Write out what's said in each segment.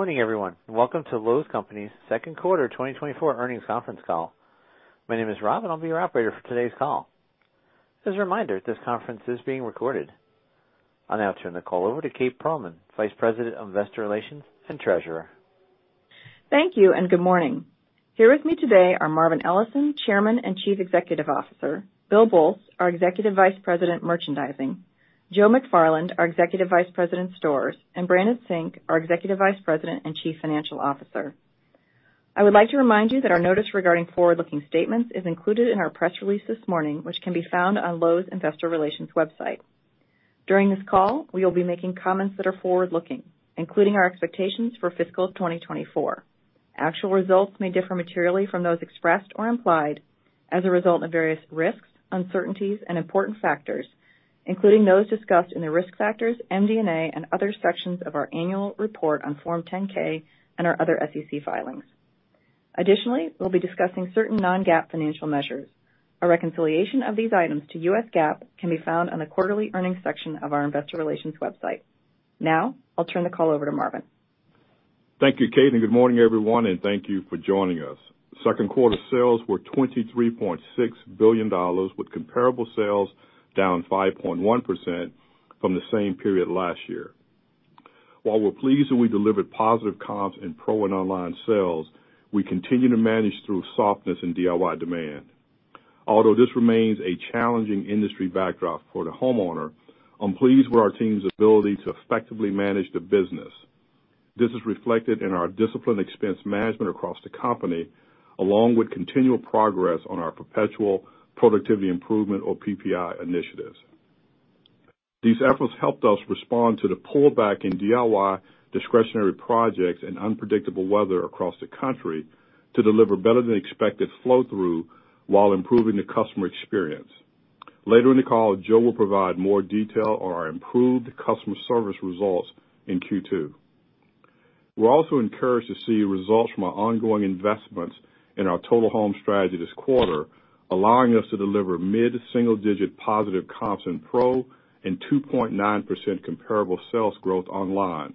Morning, everyone. Welcome to Lowe's Companies' Second Quarter 2024 Earnings Conference Call. My name is Rob, and I'll be your operator for today's call. As a reminder, this conference is being recorded. I'll now turn the call over to Kate Perlman, Vice President of Investor Relations and Treasurer. Thank you, and good morning. Here with me today are Marvin Ellison, Chairman and Chief Executive Officer, Bill Boltz, our Executive Vice President, Merchandising, Joe McFarland, our Executive Vice President, Stores, and Brandon Sink, our Executive Vice President and Chief Financial Officer. I would like to remind you that our notice regarding forward-looking statements is included in our press release this morning, which can be found on Lowe's Investor Relations website. During this call, we will be making comments that are forward-looking, including our expectations for fiscal 2024. Actual results may differ materially from those expressed or implied as a result of various risks, uncertainties, and important factors, including those discussed in the Risk Factors, MD&A, and other sections of our Annual Report on Form 10-K and our other SEC filings. Additionally, we'll be discussing certain non-GAAP financial measures. A reconciliation of these items to U.S. GAAP can be found on the quarterly earnings section of our investor relations website. Now, I'll turn the call over to Marvin. Thank you, Kate, and good morning, everyone, and thank you for joining us. Second quarter sales were $23.6 billion, with comparable sales down 5.1% from the same period last year. While we're upleased that we delivered positive comps in Pro and online sales, we continue to manage through softness in DIY demand. Although this remains a challenging industry backdrop for the homeowner, I'm pleased with our team's ability to effectively manage the business. This is reflected in our disciplined expense management across the company, along with continual progress on our perpetual productivity improvement, or PPI, initiatives. These efforts helped us respond to the pullback in DIY discretionary projects and unpredictable weather across the country to deliver better-than-expected flow-through while improving the customer experience. Later in the call, Joe will provide more detail on our improved customer service results in Q2. We're also encouraged to see results from our ongoing investments in our Total Home strategy this quarter, allowing us to deliver mid-single-digit positive comps in Pro and 2.9% comparable sales growth online.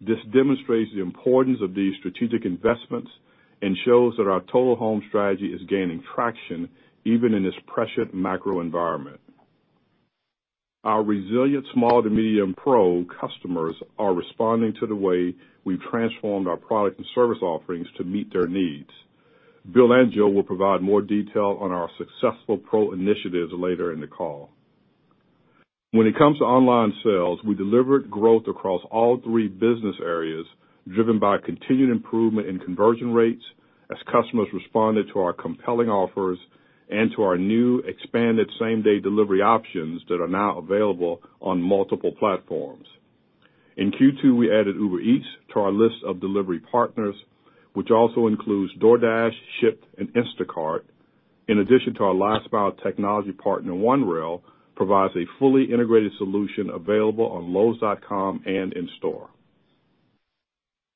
This demonstrates the importance of these strategic investments and shows that our Total Home strategy is gaining traction even in this pressured macro environment. Our resilient small to medium Pro customers are responding to the way we've transformed our product and service offerings to meet their needs. Bill and Joe will provide more detail on our successful Pro initiatives later in the call. When it comes to online sales, we delivered growth across all three business areas, driven by continued improvement in conversion rates as customers responded to our compelling offers and to our new expanded same-day delivery options that are now available on multiple platforms. In Q2, we added Uber Eats to our list of delivery partners, which also includes DoorDash, Shipt, and Instacart. In addition to our last-mile technology partner, OneRail, provides a fully integrated solution available on lowes.com and in store.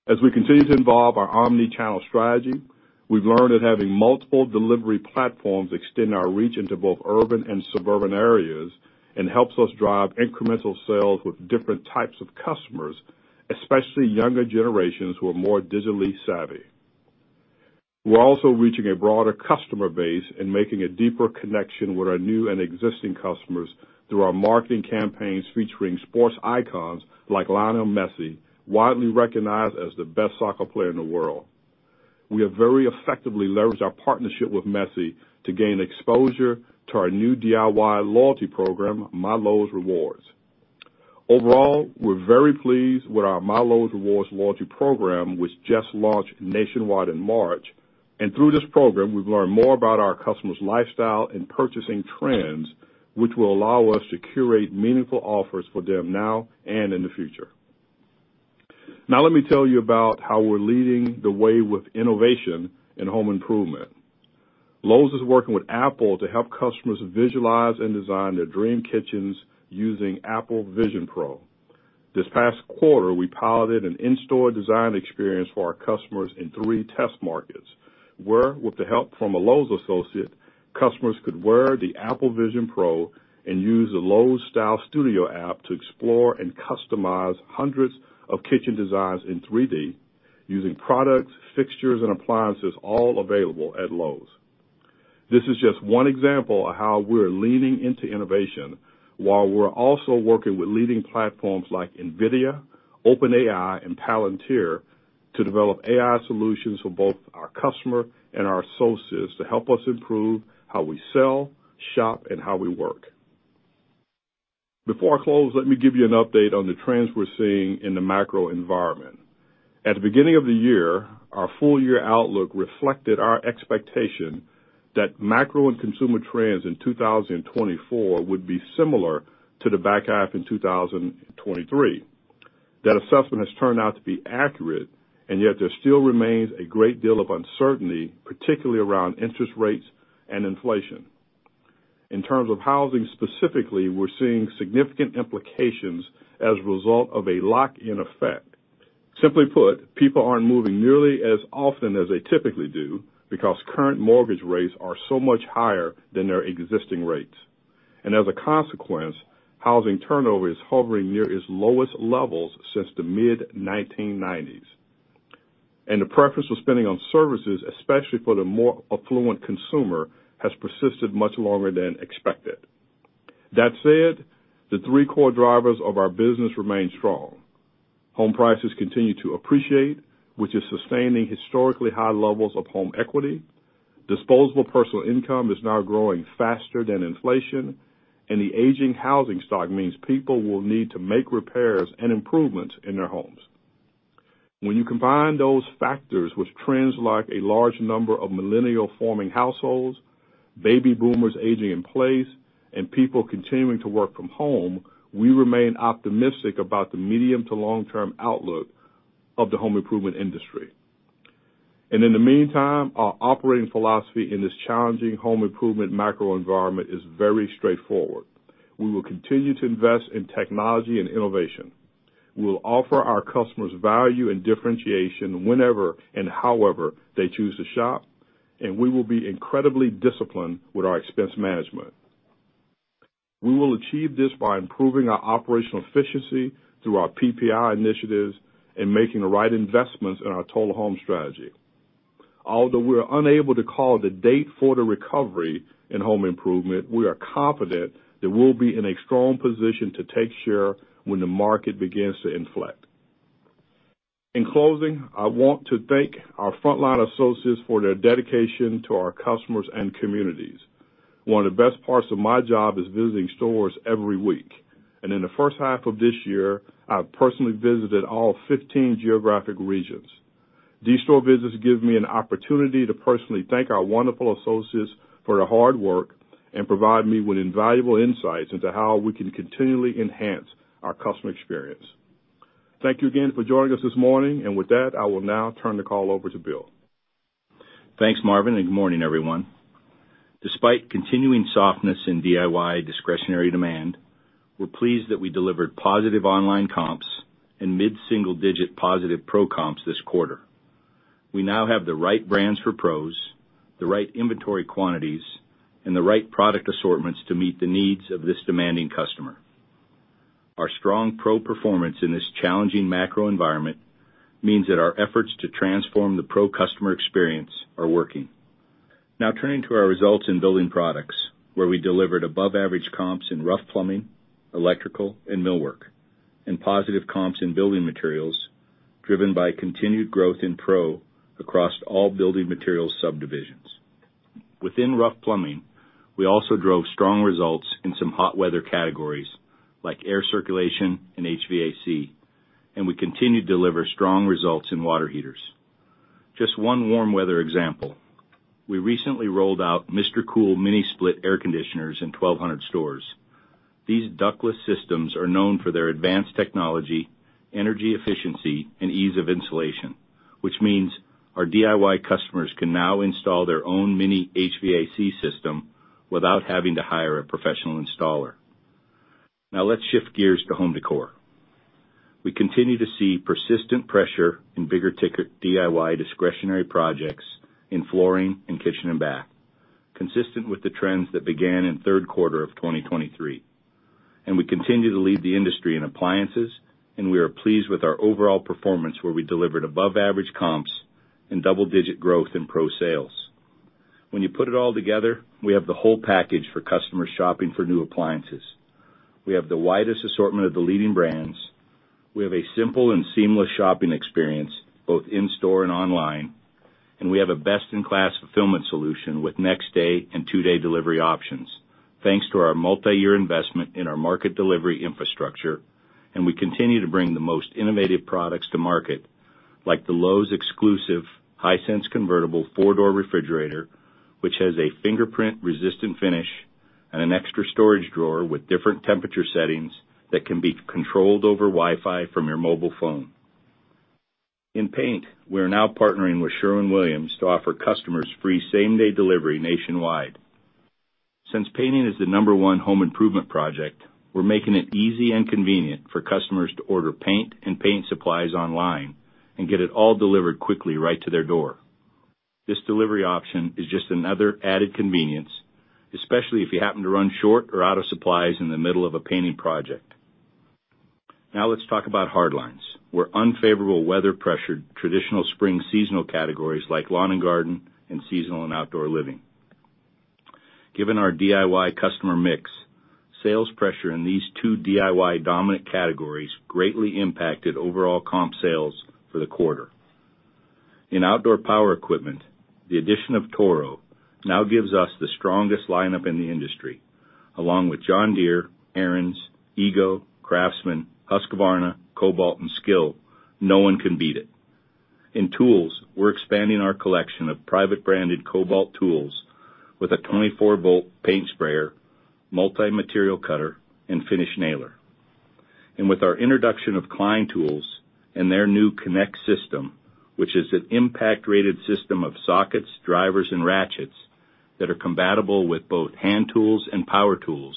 As we continue to evolve our omnichannel strategy, we've learned that having multiple delivery platforms extend our reach into both urban and suburban areas and helps us drive incremental sales with different types of customers, especially younger generations who are more digitally savvy. We're also reaching a broader customer base and making a deeper connection with our new and existing customers through our marketing campaigns featuring sports icons like Lionel Messi, widely recognized as the best soccer player in the world. We have very effectively leveraged our partnership with Messi to gain exposure to our new DIY loyalty program, My Lowe's Rewards. Overall, we're very pleased with our My Lowe's Rewards loyalty program, which just launched nationwide in March, and through this program, we've learned more about our customers' lifestyle and purchasing trends, which will allow us to curate meaningful offers for them now and in the future. Now let me tell you about how we're leading the way with innovation in home improvement. Lowe's is working with Apple to help customers visualize and design their dream kitchens using Apple Vision Pro. This past quarter, we piloted an in-store design experience for our customers in three test markets, where, with the help from a Lowe's associate, customers could wear the Apple Vision Pro and use the Lowe's Style Studio app to explore and customize hundreds of kitchen designs in 3D using products, fixtures, and appliances all available at Lowe's. This is just one example of how we're leaning into innovation, while we're also working with leading platforms like NVIDIA, OpenAI, and Palantir to develop AI solutions for both our customer and our associates to help us improve how we sell, shop, and how we work. Before I close, let me give you an update on the trends we're seeing in the macro environment. At the beginning of the year, our full year outlook reflected our expectation that macro and consumer trends in 2024 would be similar to the back half in 2023. That assessment has turned out to be accurate, and yet there still remains a great deal of uncertainty, particularly around interest rates and inflation. In terms of housing specifically, we're seeing significant implications as a result of a lock-in effect. Simply put, people aren't moving nearly as often as they typically do because current mortgage rates are so much higher than their existing rates. And as a consequence, housing turnover is hovering near its lowest levels since the mid-1990s. And the preference of spending on services, especially for the more affluent consumer, has persisted much longer than expected. That said, the three core drivers of our business remain strong. Home prices continue to appreciate, which is sustaining historically high levels of home equity. Disposable personal income is now growing faster than inflation, and the aging housing stock means people will need to make repairs and improvements in their homes. When you combine those factors with trends like a large number of millennials forming households, baby boomers aging in place, and people continuing to work from home, we remain optimistic about the medium to long-term outlook of the home improvement industry and in the meantime, our operating philosophy in this challenging home improvement macro environment is very straightforward. We will continue to invest in technology and innovation. We will offer our customers value and differentiation whenever and however they choose to shop, and we will be incredibly disciplined with our expense management. We will achieve this by improving our operational efficiency through our PPI initiatives and making the right investments in our Total Home strategy. Although we are unable to call the date for the recovery in home improvement, we are confident that we'll be in a strong position to take share when the market begins to inflect. In closing, I want to thank our frontline associates for their dedication to our customers and communities. One of the best parts of my job is visiting stores every week, and in the first half of this year, I've personally visited all 15 geographic regions. These store visits give me an opportunity to personally thank our wonderful associates for their hard work and provide me with invaluable insights into how we can continually enhance our customer experience. Thank you again for joining us this morning, and with that, I will now turn the call over to Bill. Thanks, Marvin, and good morning, everyone. Despite continuing softness in DIY discretionary demand, we're pleased that we delivered positive online comps and mid-single-digit positive pro comps this quarter. We now have the right brands for pros, the right inventory quantities, and the right product assortments to meet the needs of this demanding customer. Our strong pro performance in this challenging macro environment means that our efforts to transform the pro customer experience are working. Now, turning to our results in building products, where we delivered above average comps in rough plumbing, electrical, and millwork, and positive comps in building materials, driven by continued growth in pro across all building materials subdivisions. Within rough plumbing, we also drove strong results in some hot weather categories like air circulation and HVAC, and we continue to deliver strong results in water heaters. Just one warm weather example, we recently rolled out MRCOOL mini-split air conditioners in twelve hundred stores. These ductless systems are known for their advanced technology, energy efficiency, and ease of installation, which means our DIY customers can now install their own mini HVAC system without having to hire a professional installer. Now, let's shift gears to home decor. We continue to see persistent pressure in bigger-ticket DIY discretionary projects in flooring and kitchen and bath, consistent with the trends that began in third quarter of 2023, and we continue to lead the industry in appliances, and we are pleased with our overall performance, where we delivered above-average comps and double-digit growth in Pro sales. When you put it all together, we have the whole package for customers shopping for new appliances. We have the widest assortment of the leading brands. We have a simple and seamless shopping experience, both in-store and online, and we have a best-in-class fulfillment solution with next-day and two-day delivery options, thanks to our multiyear investment in our Market Delivery infrastructure, and we continue to bring the most innovative products to market, like the Lowe's exclusive Hisense convertible four-door refrigerator, which has a fingerprint-resistant finish and an extra storage drawer with different temperature settings that can be controlled over Wi-Fi from your mobile phone. In paint, we are now partnering with Sherwin-Williams to offer customers free same-day delivery nationwide. Since painting is the number one home improvement project, we're making it easy and convenient for customers to order paint and paint supplies online and get it all delivered quickly right to their door. This delivery option is just another added convenience, especially if you happen to run short or out of supplies in the middle of a painting project. Now, let's talk about hard lines, where unfavorable weather pressured traditional spring seasonal categories like lawn and garden and seasonal and outdoor living. Given our DIY customer mix, sales pressure in these two DIY-dominant categories greatly impacted overall comp sales for the quarter. In outdoor power equipment, the addition of Toro now gives us the strongest lineup in the industry, along with John Deere, Ariens, EGO, Craftsman, Husqvarna, Kobalt, and Skil. No one can beat it. In tools, we're expanding our collection of private branded Kobalt tools with a twenty-four-volt paint sprayer, multi-material cutter, and finish nailer. And with our introduction of Klein Tools and their new Connect system, which is an impact-rated system of sockets, drivers, and ratchets that are compatible with both hand tools and power tools,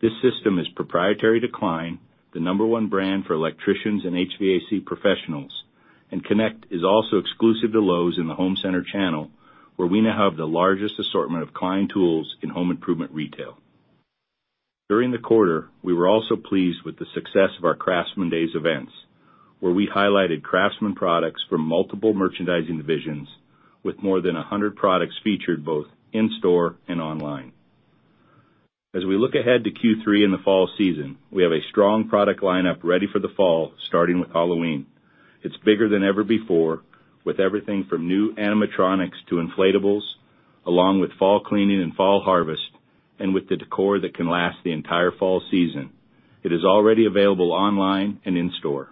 this system is proprietary to Klein, the number one brand for electricians and HVAC professionals, and Connect is also exclusive to Lowe's in the home center channel, where we now have the largest assortment of Klein tools in home improvement retail. During the quarter, we were also pleased with the success of our Craftsman Days events, where we highlighted Craftsman products from multiple merchandising divisions with more than a hundred products featured both in-store and online. As we look ahead to Q3 in the fall season, we have a strong product lineup ready for the fall, starting with Halloween. It's bigger than ever before, with everything from new animatronics to inflatables, along with fall cleaning and fall harvest, and with the decor that can last the entire fall season. It is already available online and in store.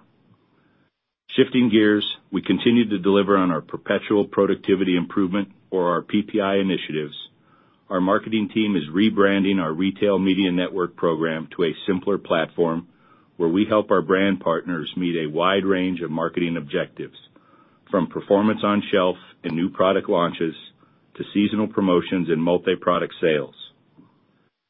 Shifting gears, we continue to deliver on our perpetual productivity improvement or our PPI initiatives. Our marketing team is rebranding our retail media network program to a simpler platform, where we help our brand partners meet a wide range of marketing objectives, from performance on shelf and new product launches to seasonal promotions and multi-product sales.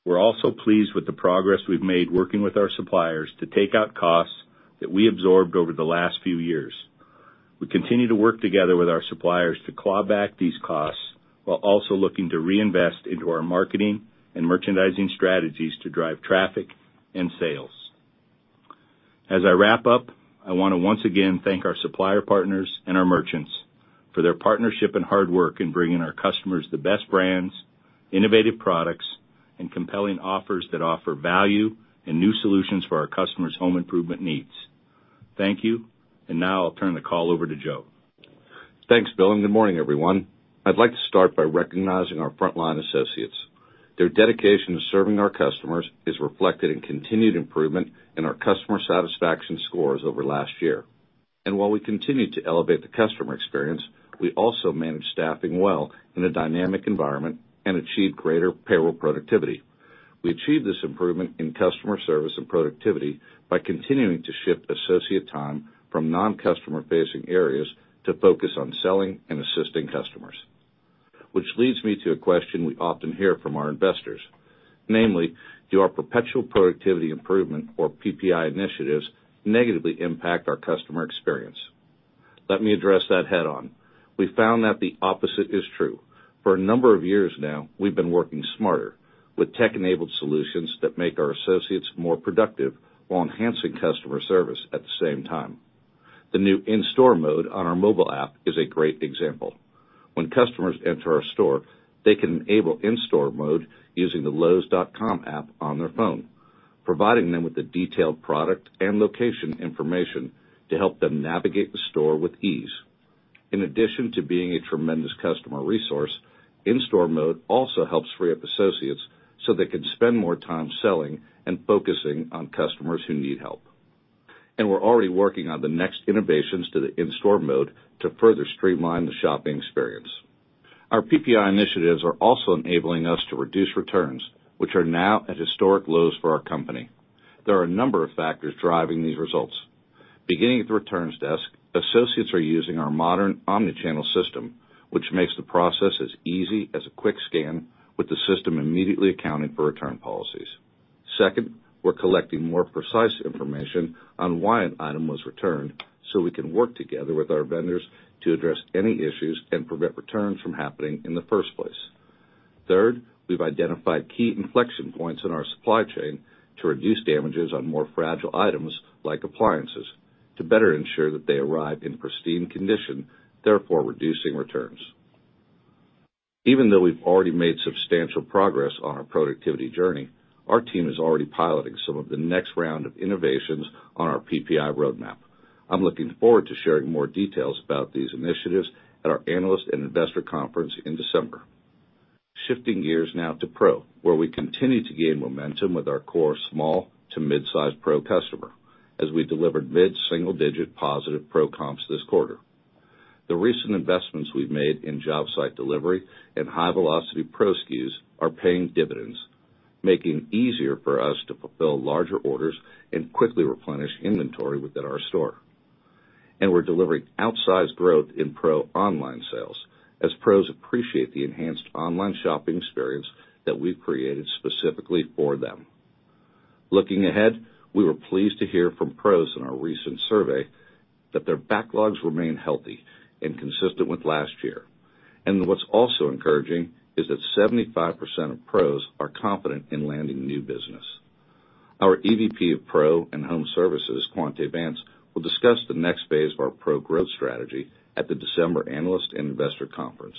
We're also pleased with the progress we've made working with our suppliers to take out costs that we absorbed over the last few years. We continue to work together with our suppliers to claw back these costs, while also looking to reinvest into our marketing and merchandising strategies to drive traffic and sales. As I wrap up, I wanna once again thank our supplier partners and our merchants for their partnership and hard work in bringing our customers the best brands, innovative products, and compelling offers that offer value and new solutions for our customers' home improvement needs. Thank you, and now I'll turn the call over to Joe. Thanks, Bill, and good morning, everyone. I'd like to start by recognizing our frontline associates. Their dedication to serving our customers is reflected in continued improvement in our customer satisfaction scores over last year. And while we continue to elevate the customer experience, we also manage staffing well in a dynamic environment and achieve greater payroll productivity. We achieve this improvement in customer service and productivity by continuing to shift associate time from non-customer-facing areas to focus on selling and assisting customers. Which leads me to a question we often hear from our investors, namely, do our perpetual productivity improvement or PPI initiatives negatively impact our customer experience? Let me address that head-on. We found that the opposite is true. For a number of years now, we've been working smarter with tech-enabled solutions that make our associates more productive while enhancing customer service at the same time. The new In-Store Mode on our mobile app is a great example. When customers enter our store, they can enable In-Store Mode using the Lowe's app on their phone, providing them with the detailed product and location information to help them navigate the store with ease. In addition to being a tremendous customer resource, In-Store Mode also helps free up associates so they can spend more time selling and focusing on customers who need help. And we're already working on the next innovations to the In-Store Mode to further streamline the shopping experience. Our PPI initiatives are also enabling us to reduce returns, which are now at historic lows for our company. There are a number of factors driving these results. Beginning at the returns desk, associates are using our modern omni-channel system, which makes the process as easy as a quick scan, with the system immediately accounting for return policies. Second, we're collecting more precise information on why an item was returned, so we can work together with our vendors to address any issues and prevent returns from happening in the first place. Third, we've identified key inflection points in our supply chain to reduce damages on more fragile items, like appliances, to better ensure that they arrive in pristine condition, therefore, reducing returns. Even though we've already made substantial progress on our productivity journey, our team is already piloting some of the next round of innovations on our PPI roadmap. I'm looking forward to sharing more details about these initiatives at our Analyst and Investor Conference in December. Shifting gears now to Pro, where we continue to gain momentum with our core small to mid-size Pro customer, as we delivered mid-single-digit positive Pro comps this quarter. The recent investments we've made in job site delivery and high-velocity Pro SKUs are paying dividends, making it easier for us to fulfill larger orders and quickly replenish inventory within our store. And we're delivering outsized growth in Pro online sales, as Pros appreciate the enhanced online shopping experience that we've created specifically for them. Looking ahead, we were pleased to hear from Pros in our recent survey that their backlogs remain healthy and consistent with last year. And what's also encouraging is that 75% of Pros are confident in landing new business. Our EVP of Pro and Home Services, Quante Vance, will discuss the next phase of our Pro growth strategy at the December Analyst and Investor Conference.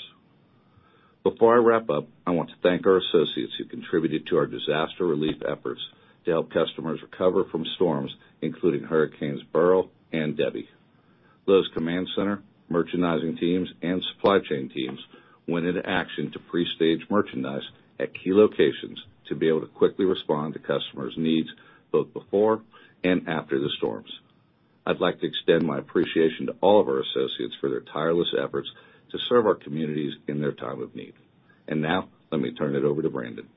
Before I wrap up, I want to thank our associates who contributed to our disaster relief efforts to help customers recover from storms, including Hurricanes Beryl and Debby. Lowe's Command Center, merchandising teams, and supply chain teams went into action to pre-stage merchandise at key locations to be able to quickly respond to customers' needs, both before and after the storms. I'd like to extend my appreciation to all of our associates for their tireless efforts to serve our communities in their time of need. And now, let me turn it over to Brandon.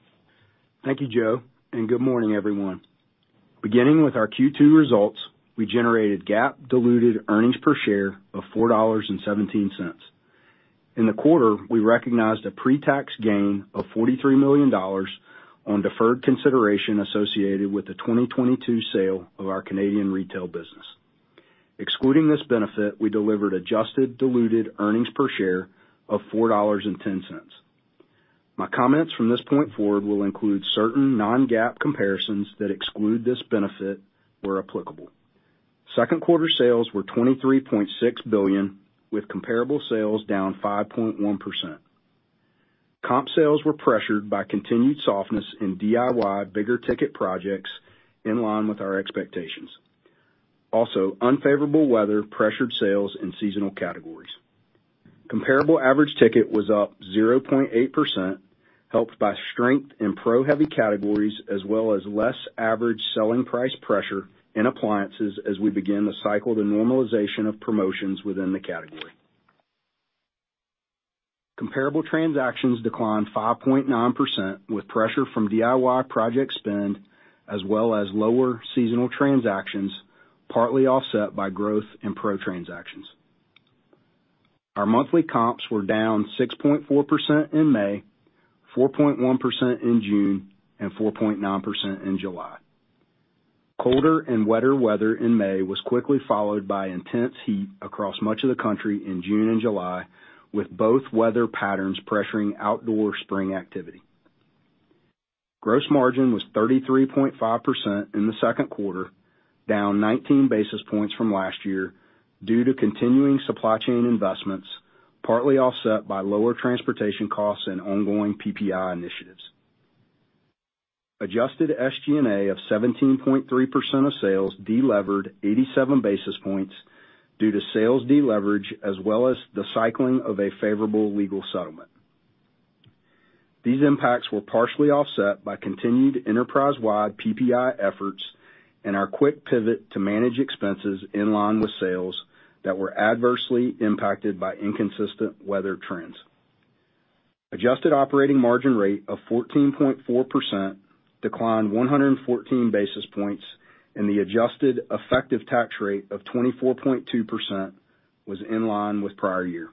Thank you, Joe, and good morning, everyone. Beginning with our Q2 results, we generated GAAP diluted earnings per share of $4.17.... In the quarter, we recognized a pre-tax gain of $43 million on deferred consideration associated with the 2022 sale of our Canadian retail business. Excluding this benefit, we delivered adjusted diluted earnings per share of $4.10. My comments from this point forward will include certain non-GAAP comparisons that exclude this benefit, where applicable. Second quarter sales were $23.6 billion, with comparable sales down 5.1%. Comp sales were pressured by continued softness in DIY bigger ticket projects, in line with our expectations. Also, unfavorable weather pressured sales in seasonal categories. Comparable average ticket was up 0.8%, helped by strength in pro heavy categories, as well as less average selling price pressure in appliances as we begin the cycle to normalization of promotions within the category. Comparable transactions declined 5.9%, with pressure from DIY project spend, as well as lower seasonal transactions, partly offset by growth in pro transactions. Our monthly comps were down 6.4% in May, 4.1% in June, and 4.9% in July. Colder and wetter weather in May was quickly followed by intense heat across much of the country in June and July, with both weather patterns pressuring outdoor spring activity. Gross margin was 33.5% in the second quarter, down 19 basis points from last year due to continuing supply chain investments, partly offset by lower transportation costs and ongoing PPI initiatives. Adjusted SG&A of 17.3% of sales delevered 87 basis points due to sales deleverage, as well as the cycling of a favorable legal settlement. These impacts were partially offset by continued enterprise-wide PPI efforts and our quick pivot to manage expenses in line with sales that were adversely impacted by inconsistent weather trends. Adjusted operating margin rate of 14.4% declined 114 basis points, and the adjusted effective tax rate of 24.2% was in line with prior year.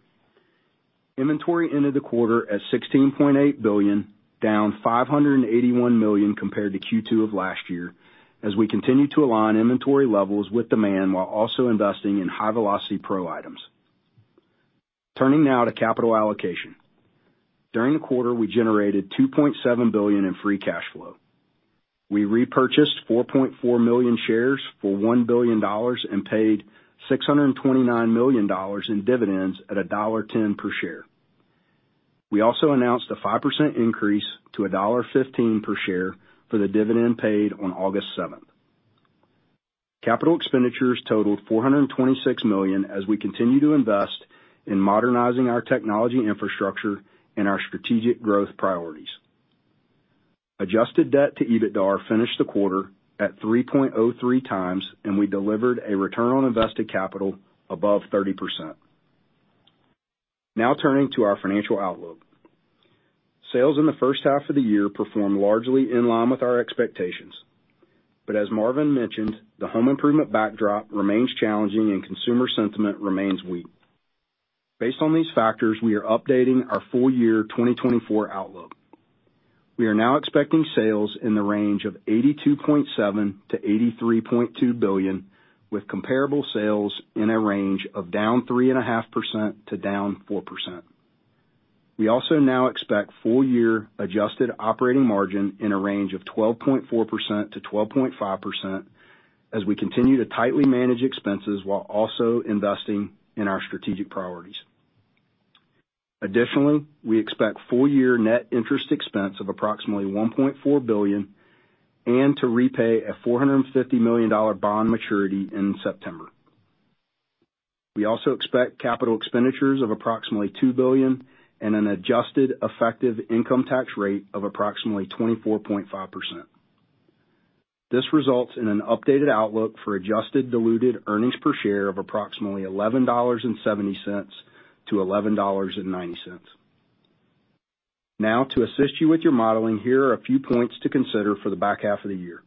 Inventory ended the quarter at $16.8 billion, down $581 million compared to Q2 of last year, as we continue to align inventory levels with demand while also investing in high-velocity Pro items. Turning now to capital allocation. During the quarter, we generated $2.7 billion in free cash flow. We repurchased 4.4 million shares for $1 billion and paid $629 million in dividends at $1.10 per share. We also announced a 5% increase to $1.15 per share for the dividend paid on August seventh. Capital expenditures totaled $426 million as we continue to invest in modernizing our technology infrastructure and our strategic growth priorities. Adjusted debt to EBITDA finished the quarter at 3.03x, and we delivered a return on invested capital above 30%. Now turning to our financial outlook. Sales in the first half of the year performed largely in line with our expectations. But as Marvin mentioned, the home improvement backdrop remains challenging and consumer sentiment remains weak. Based on these factors, we are updating our full year 2024 outlook. We are now expecting sales in the range of $82.7 billion-$83.2 billion, with comparable sales in a range of down 3.5%-down 4%. We also now expect full year adjusted operating margin in a range of 12.4%-12.5% as we continue to tightly manage expenses while also investing in our strategic priorities. Additionally, we expect full year net interest expense of approximately $1.4 billion and to repay a $450 million dollar bond maturity in September. We also expect capital expenditures of approximately $2 billion and an adjusted effective income tax rate of approximately 24.5%. This results in an updated outlook for adjusted diluted earnings per share of approximately $11.70-$11.90. Now, to assist you with your modeling, here are a few points to consider for the back half of the year.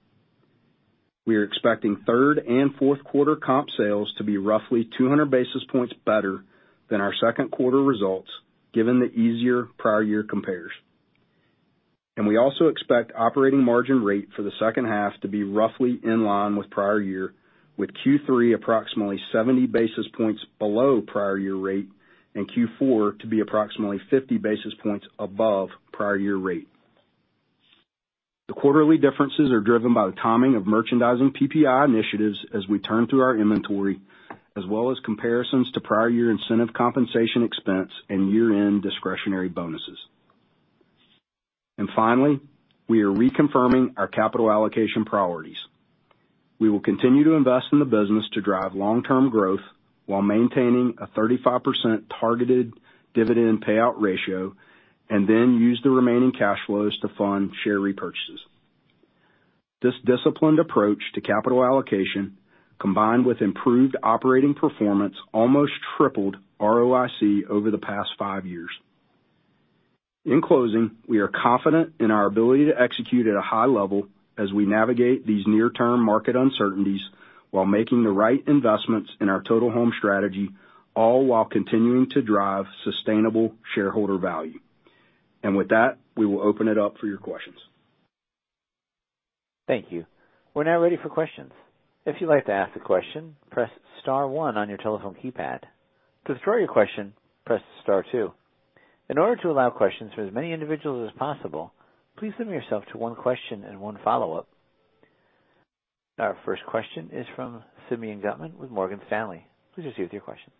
We are expecting third and fourth quarter comp sales to be roughly two hundred basis points better than our second quarter results, given the easier prior year compares, and we also expect operating margin rate for the second half to be roughly in line with prior year, with Q3 approximately seventy basis points below prior year rate and Q4 to be approximately fifty basis points above prior year rate. The quarterly differences are driven by the timing of merchandising PPI initiatives as we turn through our inventory, as well as comparisons to prior year incentive compensation expense and year-end discretionary bonuses, and finally, we are reconfirming our capital allocation priorities. We will continue to invest in the business to drive long-term growth while maintaining a 35% targeted dividend payout ratio, and then use the remaining cash flows to fund share repurchases. This disciplined approach to capital allocation, combined with improved operating performance, almost tripled ROIC over the past five years. In closing, we are confident in our ability to execute at a high level as we navigate these near-term market uncertainties, while making the right investments in our Total Home strategy, all while continuing to drive sustainable shareholder value. And with that, we will open it up for your questions. Thank you. We're now ready for questions. If you'd like to ask a question, press star one on your telephone keypad. To withdraw your question, press star two. In order to allow questions for as many individuals as possible, please limit yourself to one question and one follow-up. Our first question is from Simeon Gutman with Morgan Stanley. Please proceed with your question.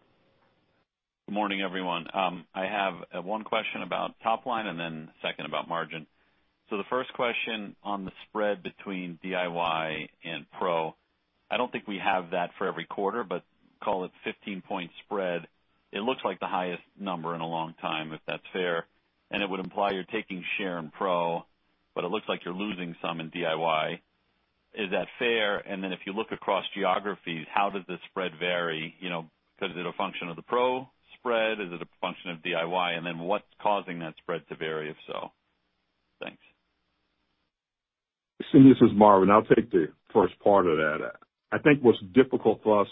Good morning, everyone. I have one question about top line and then second about margin. So the first question on the spread between DIY and Pro, I don't think we have that for every quarter, but call it 15-point spread. It looks like the highest number in a long time, if that's fair, and it would imply you're taking share in Pro, but it looks like you're losing some in DIY. Is that fair? And then if you look across geographies, how does the spread vary? You know, because is it a function of the Pro spread? Is it a function of DIY? And then what's causing that spread to vary, if so? Thanks. Simeon, this is Marvin. I'll take the first part of that. I think what's difficult for us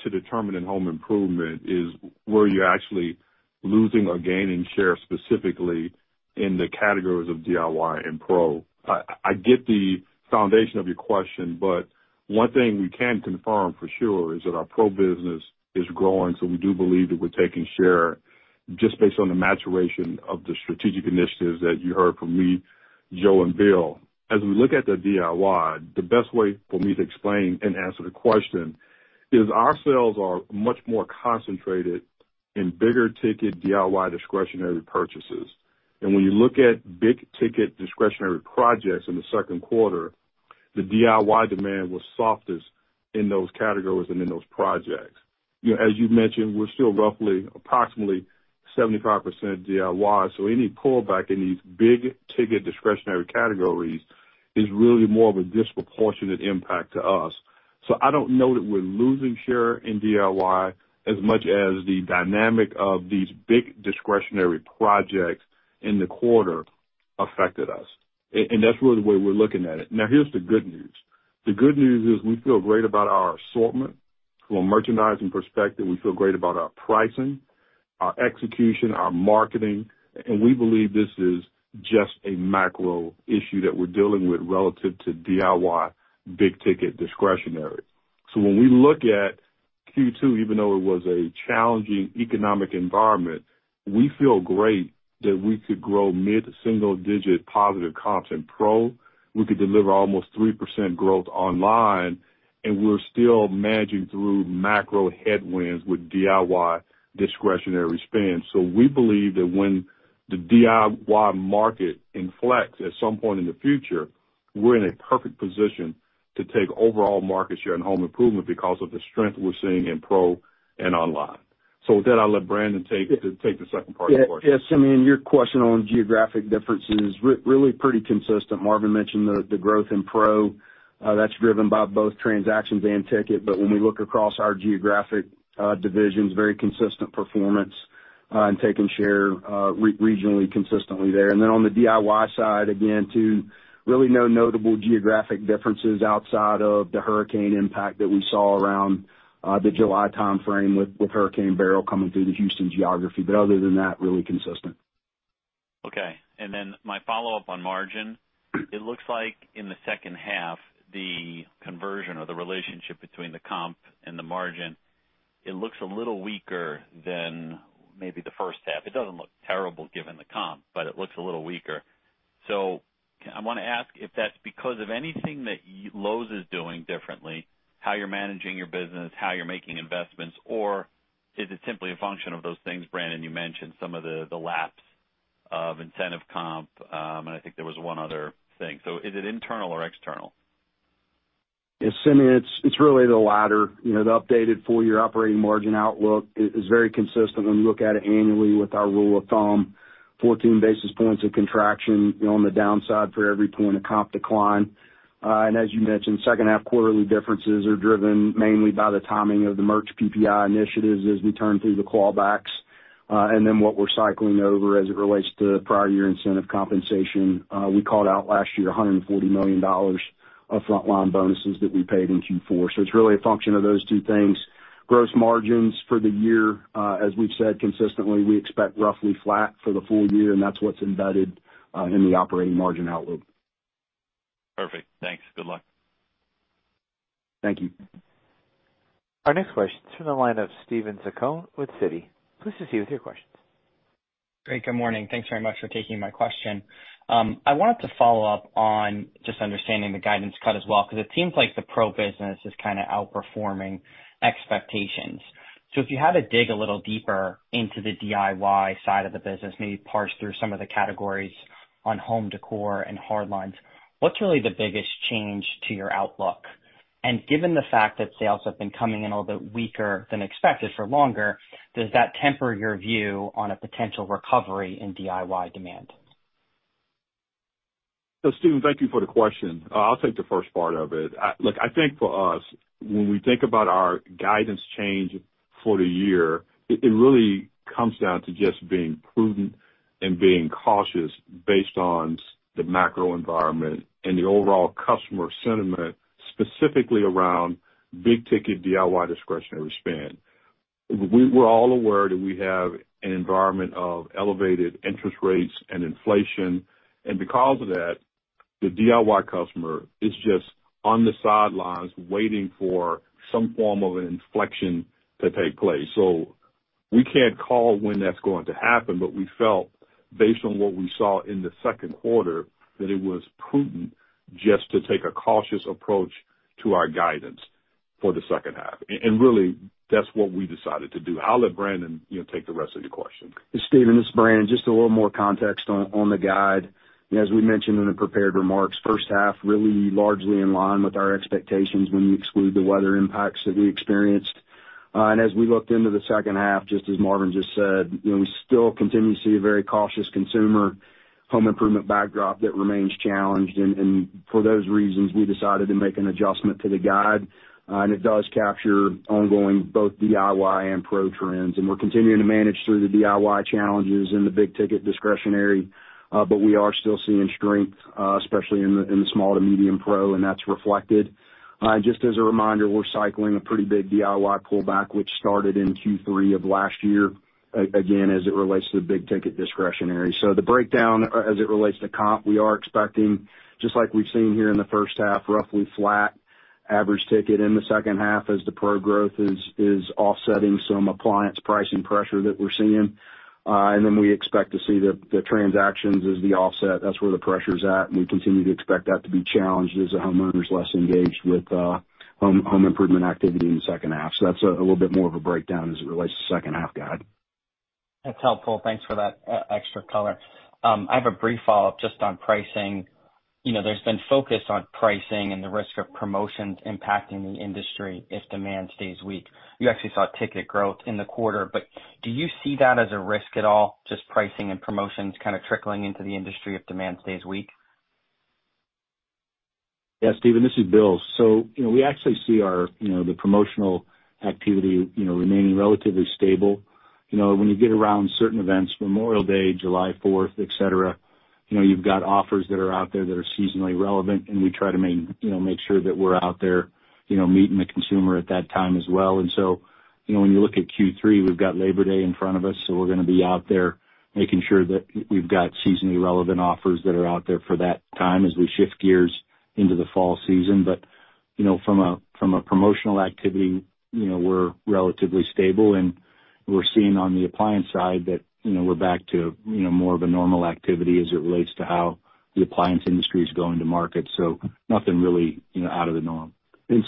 to determine in home improvement is where you're actually losing or gaining share, specifically in the categories of DIY and pro. I, I get the foundation of your question, but one thing we can confirm for sure is that our pro business is growing, so we do believe that we're taking share just based on the maturation of the strategic initiatives that you heard from me, Joe, and Bill. As we look at the DIY, the best way for me to explain and answer the question is our sales are much more concentrated in bigger ticket DIY discretionary purchases, and when you look at big ticket discretionary projects in the second quarter, the DIY demand was softest in those categories and in those projects. You know, as you mentioned, we're still roughly approximately 75% DIY, so any pullback in these big ticket discretionary categories is really more of a disproportionate impact to us. So I don't know that we're losing share in DIY as much as the dynamic of these big discretionary projects in the quarter affected us. And that's really the way we're looking at it. Now, here's the good news. The good news is we feel great about our assortment. From a merchandising perspective, we feel great about our pricing, our execution, our marketing, and we believe this is just a macro issue that we're dealing with relative to DIY big ticket discretionary. When we look at Q2, even though it was a challenging economic environment, we feel great that we could grow mid-single digit positive comps in Pro, we could deliver almost 3% growth online, and we're still managing through macro headwinds with DIY discretionary spend. We believe that when the DIY market inflects at some point in the future, we're in a perfect position to take overall market share in home improvement because of the strength we're seeing in Pro and online. With that, I'll let Brandon take the second part of the question. Yeah. Yes, Simeon, your question on geographic differences, really pretty consistent. Marvin mentioned the growth in pro, that's driven by both transactions and ticket. But when we look across our geographic divisions, very consistent performance, and taking share, regionally, consistently there. And then on the DIY side, again, too, really no notable geographic differences outside of the hurricane impact that we saw around the July timeframe with Hurricane Beryl coming through the Houston geography. But other than that, really consistent. Okay. And then my follow-up on margin. It looks like in the second half, the conversion or the relationship between the comp and the margin, it looks a little weaker than maybe the first half. It doesn't look terrible given the comp, but it looks a little weaker. So I want to ask if that's because of anything that Lowe's is doing differently, how you're managing your business, how you're making investments, or is it simply a function of those things? Brandon, you mentioned some of the, the laps of incentive comp, and I think there was one other thing. So is it internal or external? Yes, Simeon, it's really the latter. You know, the updated full-year operating margin outlook is very consistent when we look at it annually with our rule of thumb, fourteen basis points of contraction on the downside for every point of comp decline, and as you mentioned, second half quarterly differences are driven mainly by the timing of the merch PPI initiatives as we turn through the callbacks, and then what we're cycling over as it relates to prior year incentive compensation. We called out last year, $140 million of frontline bonuses that we paid in Q4. So it's really a function of those two things. Gross margins for the year, as we've said consistently, we expect roughly flat for the full year, and that's what's embedded in the operating margin outlook. Perfect. Thanks. Good luck. Thank you. Our next question is from the line of Steven Zaccone with Citi. Please proceed with your questions. Great, good morning. Thanks very much for taking my question. I wanted to follow up on just understanding the guidance cut as well, because it seems like the pro business is kind of outperforming expectations. So if you had to dig a little deeper into the DIY side of the business, maybe parse through some of the categories on home decor and hard lines, what's really the biggest change to your outlook? And given the fact that sales have been coming in a little bit weaker than expected for longer, does that temper your view on a potential recovery in DIY demand? So Steven, thank you for the question. I'll take the first part of it. Look, I think for us, when we think about our guidance change for the year, it really comes down to just being prudent and being cautious based on the macro environment and the overall customer sentiment, specifically around big ticket DIY discretionary spend. We're all aware that we have an environment of elevated interest rates and inflation, and because of that, the DIY customer is just on the sidelines waiting for some form of inflection to take place. So we can't call when that's going to happen, but we felt, based on what we saw in the second quarter, that it was prudent just to take a cautious approach to our guidance for the second half. And really, that's what we decided to do. I'll let Brandon, you know, take the rest of your question. Steven, this is Brandon. Just a little more context on the guide. As we mentioned in the prepared remarks, first half really largely in line with our expectations when you exclude the weather impacts that we experienced. And as we looked into the second half, just as Marvin just said, you know, we still continue to see a very cautious consumer home improvement backdrop that remains challenged. And for those reasons, we decided to make an adjustment to the guide, and it does capture ongoing both DIY and pro trends. And we're continuing to manage through the DIY challenges in the big ticket discretionary, but we are still seeing strength, especially in the small to medium pro, and that's reflected. Just as a reminder, we're cycling a pretty big DIY pullback, which started in Q3 of last year, again, as it relates to the big ticket discretionary. So the breakdown, as it relates to comp, we are expecting, just like we've seen here in the first half, roughly flat average ticket in the second half as the pro growth is offsetting some appliance pricing pressure that we're seeing. And then we expect to see the transactions as the offset. That's where the pressure's at, and we continue to expect that to be challenged as the homeowner's less engaged with home improvement activity in the second half. So that's a little bit more of a breakdown as it relates to second half guide. That's helpful. Thanks for that, extra color. I have a brief follow-up just on pricing. You know, there's been focus on pricing and the risk of promotions impacting the industry if demand stays weak. You actually saw ticket growth in the quarter, but do you see that as a risk at all, just pricing and promotions kind of trickling into the industry if demand stays weak? Yeah, Steven, this is Bill. So, you know, we actually see our, you know, the promotional activity, you know, remaining relatively stable. You know, when you get around certain events, Memorial Day, July 4th, et cetera, you know, you've got offers that are out there that are seasonally relevant, and we try to you know, make sure that we're out there, you know, meeting the consumer at that time as well. And so, you know, when you look at Q3, we've got Labor Day in front of us, so we're gonna be out there making sure that we've got seasonally relevant offers that are out there for that time as we shift gears into the fall season. But, you know, from a promotional activity, you know, we're relatively stable, and we're seeing on the appliance side that, you know, we're back to, you know, more of a normal activity as it relates to how the appliance industry is going to market. So nothing really, you know, out of the norm.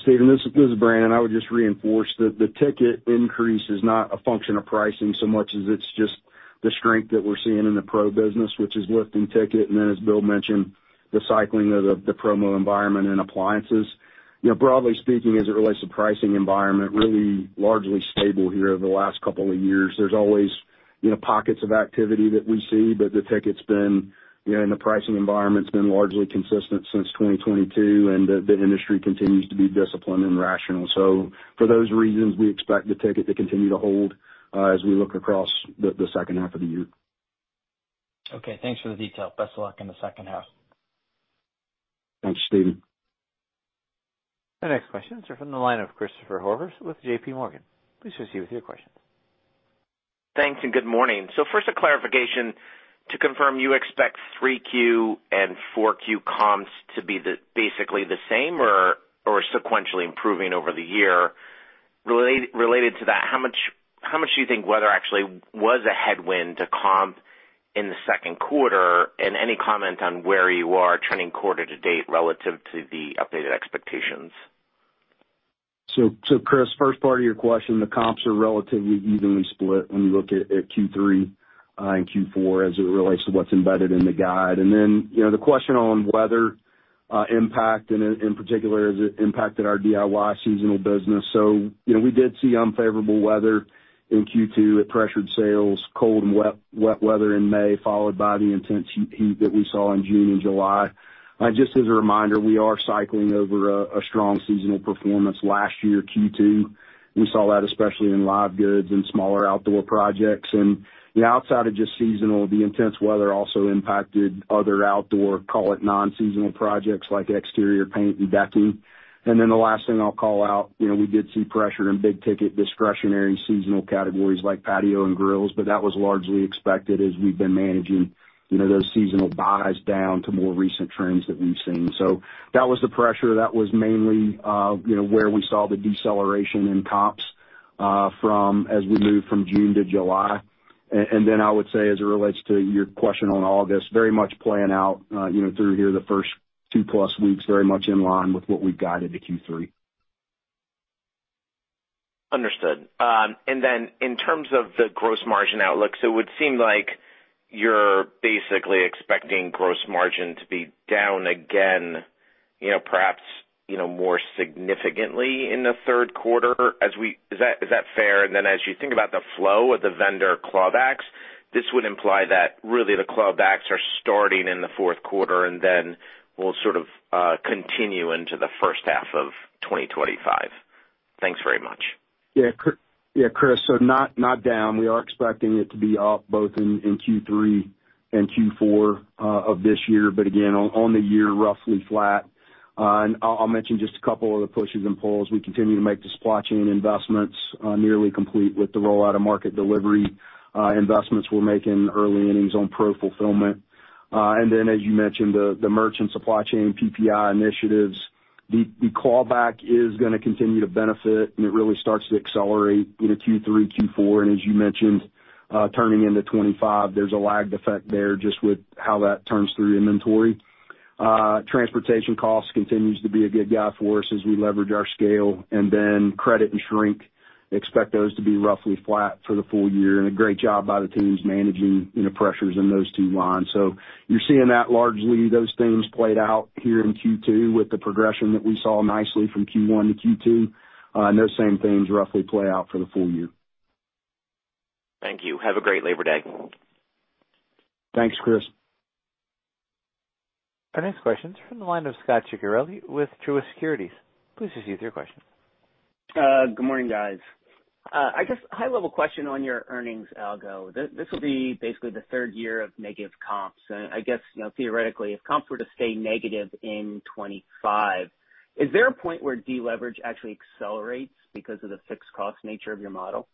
Steven, this is Brandon. I would just reinforce that the ticket increase is not a function of pricing so much as it's just the strength that we're seeing in the pro business, which is lifting ticket, and then, as Bill mentioned, the cycling of the promo environment and appliances. You know, broadly speaking, as it relates to pricing environment, really largely stable here over the last couple of years. There's always, you know, pockets of activity that we see, but the ticket's been, you know, and the pricing environment's been largely consistent since 2022, and the industry continues to be disciplined and rational. So for those reasons, we expect the ticket to continue to hold as we look across the second half of the year. Okay, thanks for the detail. Best of luck in the second half. Thanks, Steven. The next question is from the line of Christopher Horvers with J.P. Morgan. Please proceed with your question. Thanks, and good morning. So first, a clarification to confirm you expect three Q and four Q comps to be the, basically the same or sequentially improving over the year? Related to that, how much, how much do you think weather actually was a headwind to comp in the second quarter, and any comment on where you are trending quarter to date relative to the updated expectations? Chris, first part of your question, the comps are relatively evenly split when you look at Q3 and Q4 as it relates to what's embedded in the guide. Then, you know, the question on weather impact and, in particular, has it impacted our DIY seasonal business. You know, we did see unfavorable weather in Q2. It pressured sales, cold and wet weather in May, followed by the intense heat that we saw in June and July. Just as a reminder, we are cycling over a strong seasonal performance last year, Q2. We saw that especially in live goods and smaller outdoor projects. Outside of just seasonal, the intense weather also impacted other outdoor, call it non-seasonal projects, like exterior paint and decking. And then the last thing I'll call out, you know, we did see pressure in big ticket, discretionary, seasonal categories like patio and grills, but that was largely expected as we've been managing, you know, those seasonal buys down to more recent trends that we've seen. So that was the pressure. That was mainly, you know, where we saw the deceleration in comps, from as we moved from June to July. And then I would say, as it relates to your question on August, very much playing out, you know, through here, the first 2+ weeks, very much in line with what we've guided to Q3. Understood. And then in terms of the gross margin outlook, so it would seem like you're basically expecting gross margin to be down again-... you know, perhaps, you know, more significantly in the third quarter, is that fair? And then as you think about the flow of the vendor clawbacks, this would imply that really the clawbacks are starting in the fourth quarter and then will sort of continue into the first half of 2025. Thanks very much. Yeah, Chris. So not down. We are expecting it to be up both in Q3 and Q4 of this year, but again, on the year, roughly flat. And I'll mention just a couple of the pushes and pulls. We continue to make the supply chain investments, nearly complete with the rollout of Market Delivery, investments we're making early innings on pro fulfillment. And then, as you mentioned, the merchant supply chain PPI initiatives, the payback is gonna continue to benefit, and it really starts to accelerate in Q3, Q4, and as you mentioned, turning into twenty-five, there's a lag effect there just with how that turns through inventory. Transportation costs continues to be a good guy for us as we leverage our scale, and then credit and shrink, expect those to be roughly flat for the full year, and a great job by the teams managing, you know, pressures in those two lines. So you're seeing that largely, those things played out here in Q2 with the progression that we saw nicely from Q1 to Q2, and those same things roughly play out for the full year. Thank you. Have a great Labor Day. Thanks, Chris. Our next question is from the line of Scott Ciccarelli with Truist Securities. Please proceed with your question. Good morning, guys. I guess high level question on your earnings algo. This will be basically the third year of negative comps. And I guess, you know, theoretically, if comps were to stay negative in 2025, is there a point where deleverage actually accelerates because of the fixed cost nature of your model?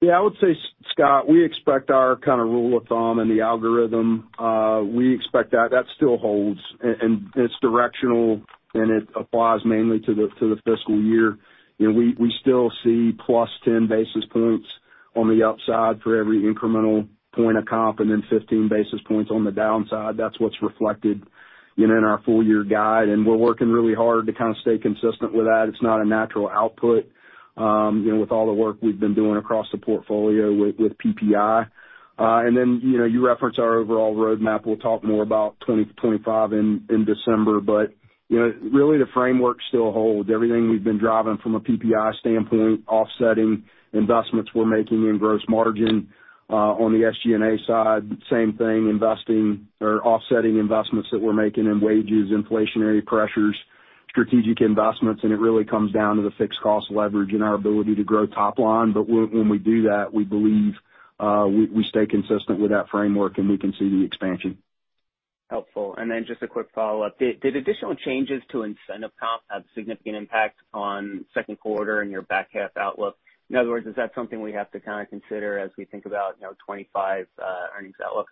Yeah, I would say, Scott, we expect our kind of rule of thumb and the algorithm, we expect that still holds, and it's directional, and it applies mainly to the fiscal year. You know, we still see +10 basis points on the upside for every incremental point of comp and then fifteen basis points on the downside. That's what's reflected, you know, in our full year guide, and we're working really hard to kind of stay consistent with that. It's not a natural output, you know, with all the work we've been doing across the portfolio with PPI. And then, you know, you referenced our overall roadmap. We'll talk more about 2025 in December, but, you know, really, the framework still holds. Everything we've been driving from a PPI standpoint, offsetting investments we're making in gross margin, on the SG&A side, same thing, investing or offsetting investments that we're making in wages, inflationary pressures, strategic investments, and it really comes down to the fixed cost leverage and our ability to grow top line. But when we do that, we believe, we stay consistent with that framework, and we can see the expansion. Helpful. And then just a quick follow-up. Did additional changes to incentive comp have significant impact on second quarter and your back half outlook? In other words, is that something we have to kind of consider as we think about, you know, 2025 earnings outlook?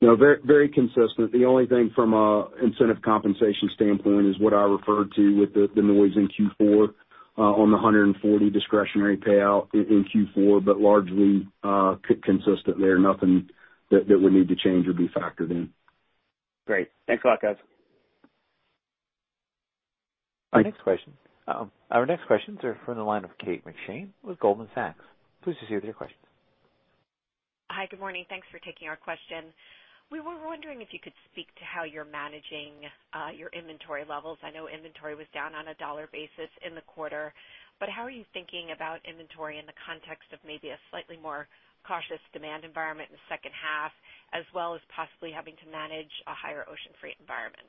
No, very, very consistent. The only thing from a incentive compensation standpoint is what I referred to with the noise in Q4 on the 140 discretionary payout in Q4, but largely consistent there. Nothing that would need to change or be factored in. Great. Thanks a lot, guys. Our next question... our next questions are from the line of Kate McShane with Goldman Sachs. Please proceed with your question. Hi, good morning. Thanks for taking our question. We were wondering if you could speak to how you're managing your inventory levels. I know inventory was down on a dollar basis in the quarter, but how are you thinking about inventory in the context of maybe a slightly more cautious demand environment in the second half, as well as possibly having to manage a higher ocean freight environment?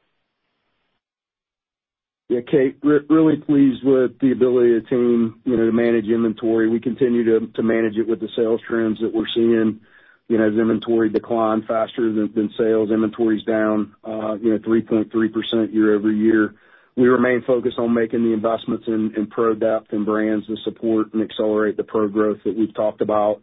Yeah, Kate, really pleased with the ability of the team, you know, to manage inventory. We continue to manage it with the sales trends that we're seeing. You know, as inventory declined faster than sales, inventory is down, you know, 3.3% year-over-year. We remain focused on making the investments in pro depth and brands that support and accelerate the pro growth that we've talked about.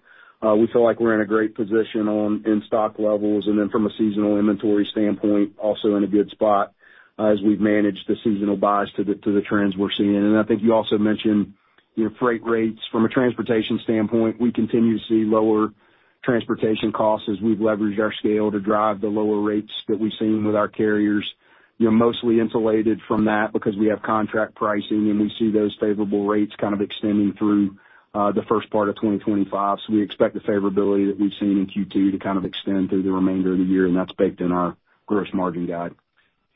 We feel like we're in a great position on in-stock levels, and then from a seasonal inventory standpoint, also in a good spot as we've managed the seasonal buys to the trends we're seeing. I think you also mentioned, you know, freight rates. From a transportation standpoint, we continue to see lower transportation costs as we've leveraged our scale to drive the lower rates that we've seen with our carriers. You know, mostly insulated from that because we have contract pricing, and we see those favorable rates kind of extending through the first part of 2025. So we expect the favorability that we've seen in Q2 to kind of extend through the remainder of the year, and that's baked in our gross margin guide.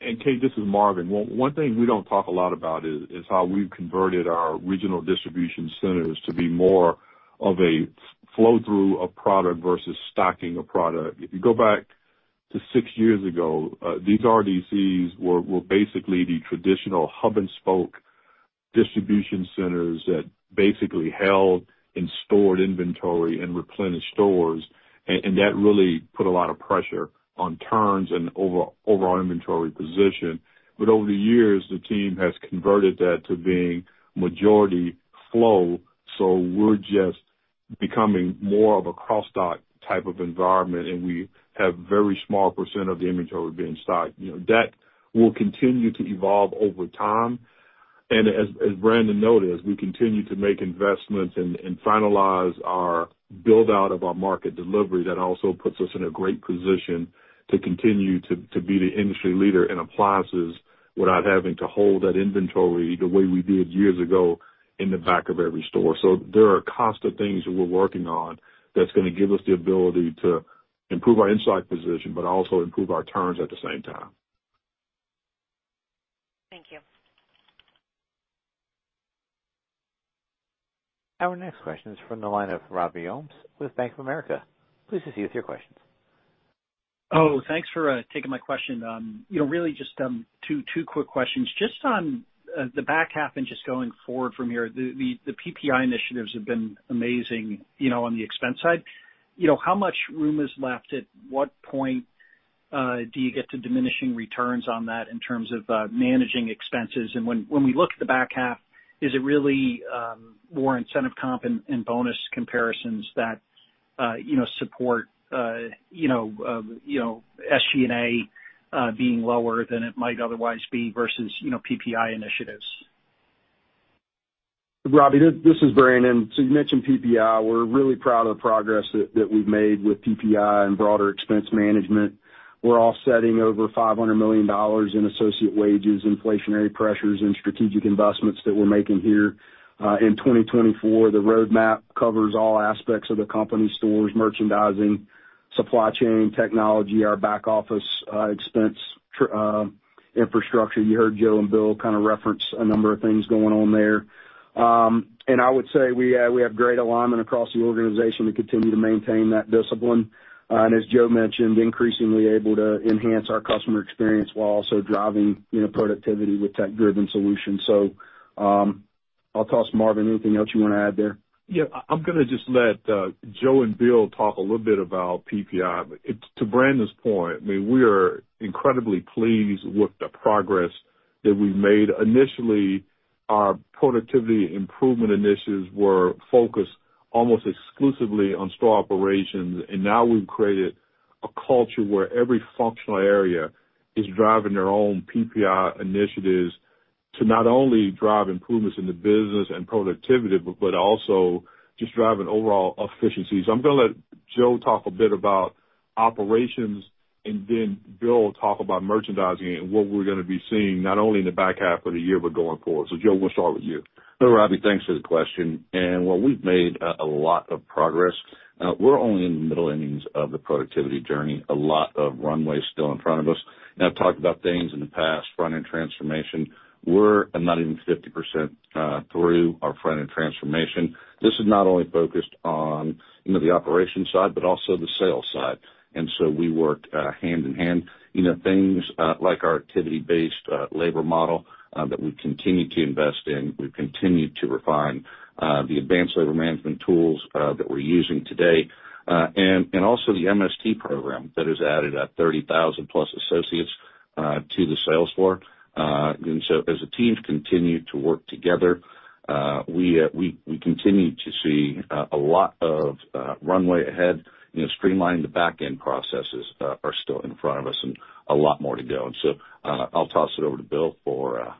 Kate, this is Marvin. One thing we don't talk a lot about is how we've converted our regional distribution centers to be more of a flow through of product versus stocking a product. If you go back to six years ago, these RDCs were basically the traditional hub and spoke distribution centers that basically held and stored inventory and replenished stores, and that really put a lot of pressure on turns and overall inventory position. But over the years, the team has converted that to being majority flow, so we're just becoming more of a cross dock type of environment, and we have very small percent of the inventory being stocked. You know, that will continue to evolve over time. And as Brandon noted, as we continue to make investments and finalize our build out of our Market Delivery, that also puts us in a great position to continue to be the industry leader in appliances without having to hold that inventory the way we did years ago in the back of every store, so there are constant things that we're working on that's gonna give us the ability to improve our in-stock position, but also improve our turns at the same time. Thank you. Our next question is from the line of Robbie Ohmes with Bank of America. Please proceed with your questions. Oh, thanks for taking my question. You know, really just two quick questions. Just on the back half and just going forward from here, the PPI initiatives have been amazing, you know, on the expense side. You know, how much room is left? At what point do you get to diminishing returns on that in terms of managing expenses? And when we look at the back half, is it really more incentive comp and bonus comparisons that you know support you know you know SG&A being lower than it might otherwise be versus you know PPI initiatives? Robbie, this is Brandon. So you mentioned PPI. We're really proud of the progress that we've made with PPI and broader expense management. We're offsetting over $500 million in associate wages, inflationary pressures, and strategic investments that we're making here. In 2024, the roadmap covers all aspects of the company, stores, merchandising, supply chain, technology, our back office, expense infrastructure. You heard Joe and Bill kind of reference a number of things going on there. And I would say we have great alignment across the organization to continue to maintain that discipline. And as Joe mentioned, increasingly able to enhance our customer experience while also driving, you know, productivity with tech-driven solutions. So, I'll toss to Marvin. Anything else you want to add there? Yeah, I'm gonna just let Joe and Bill talk a little bit about PPI. It's to Brandon's point, I mean, we are incredibly pleased with the progress that we've made. Initially, our productivity improvement initiatives were focused almost exclusively on store operations, and now we've created a culture where every functional area is driving their own PPI initiatives to not only drive improvements in the business and productivity, but also just driving overall efficiencies. I'm gonna let Joe talk a bit about operations, and then Bill talk about merchandising and what we're gonna be seeing, not only in the back half of the year, but going forward. So Joe, we'll start with you. So Robbie, thanks for the question. And while we've made a lot of progress, we're only in the middle innings of the productivity journey. A lot of runway still in front of us. And I've talked about things in the past, front-end transformation. We're not even 50% through our front-end transformation. This is not only focused on, you know, the operation side, but also the sales side. And so we worked hand in hand. You know, things like our activity-based labor model that we've continued to invest in. We've continued to refine the advanced labor management tools that we're using today, and also the MST program that has added 30,000+ associates to the sales floor. And so as the teams continue to work together, we continue to see a lot of runway ahead. You know, streamlining the back-end processes are still in front of us and a lot more to go. And so, I'll toss it over to Bill for...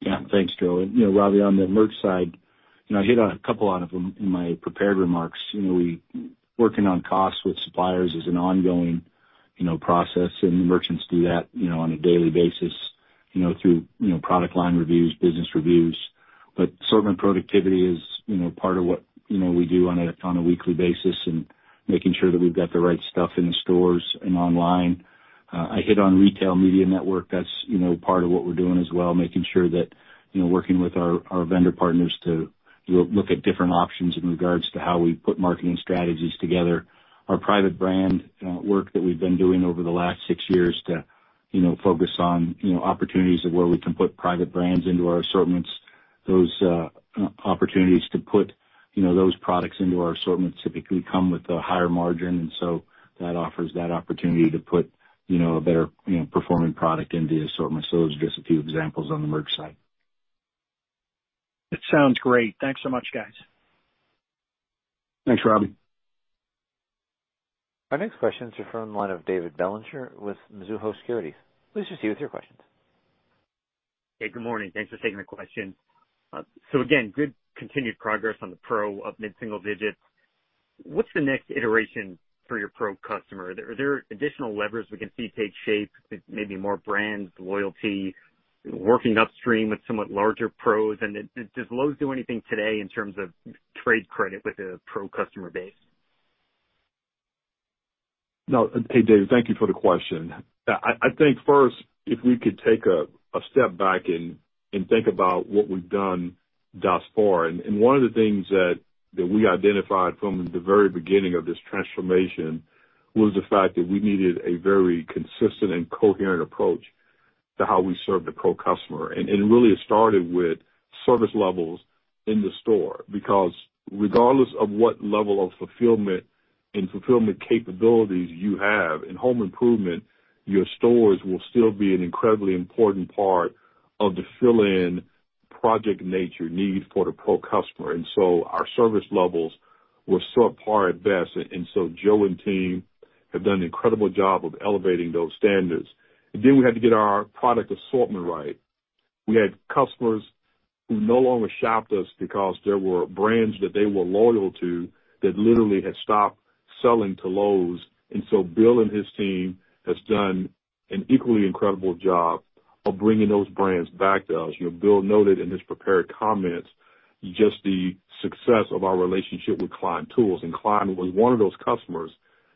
Yeah, thanks, Joe. And, you know, Robbie, on the merch side, you know, I hit on a couple of them in my prepared remarks. You know, we're working on costs with suppliers is an ongoing, you know, process, and the merchants do that, you know, on a daily basis, you know, through, you know, product line reviews, business reviews. But assortment productivity is, you know, part of what, you know, we do on a weekly basis and making sure that we've got the right stuff in the stores and online. I hit on retail media network. That's, you know, part of what we're doing as well, making sure that, you know, working with our vendor partners to look at different options in regards to how we put marketing strategies together. Our private brand work that we've been doing over the last six years to, you know, focus on, you know, opportunities of where we can put private brands into our assortments. Those opportunities to put, you know, those products into our assortment typically come with a higher margin, and so that offers that opportunity to put, you know, a better, you know, performing product into the assortment. So those are just a few examples on the merch side. It sounds great. Thanks so much, guys. Thanks, Robbie. Our next question is from the line of David Bellinger with Mizuho Securities. Please proceed with your questions. Hey, good morning. Thanks for taking the question. So again, good continued progress on the pro up mid-single digits. What's the next iteration for your pro customer? Are there additional levers we can see take shape, maybe more brands, loyalty, working upstream with somewhat larger pros? And does Lowe's do anything today in terms of trade credit with the pro customer base? No. Hey, David, thank you for the question. I think first, if we could take a step back and think about what we've done thus far. And one of the things that we identified from the very beginning of this transformation was the fact that we needed a very consistent and coherent approach to how we serve the pro customer. And really it started with service levels in the store, because regardless of what level of fulfillment and fulfillment capabilities you have in home improvement, your stores will still be an incredibly important part of the fill-in project nature need for the pro customer. And so our service levels were subpar at best, and so Joe and team have done an incredible job of elevating those standards. And then we had to get our product assortment right. We had customers who no longer shopped us because there were brands that they were loyal to that literally had stopped selling to Lowe's. And so Bill and his team has done an equally incredible job of bringing those brands back to us. You know, Bill noted in his prepared comments, just the success of our relationship with Klein Tools, and Klein was one of those customers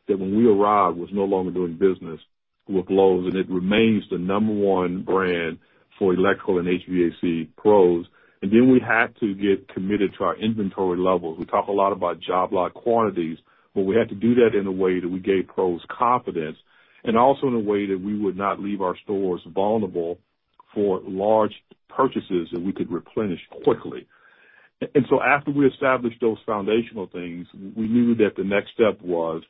that when we arrived, was no longer doing business with Lowe's, and it remains the number one brand for electrical and HVAC pros. And then we had to get committed to our inventory levels. We talk a lot about job lot quantities, but we had to do that in a way that we gave pros confidence, and also in a way that we would not leave our stores vulnerable for large purchases that we could replenish quickly. And so after we established those foundational things, we knew that the next step was